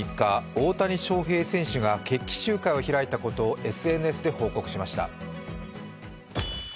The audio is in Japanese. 大谷翔平選手が決起集会を開いたことをＳＮＳで報告しました。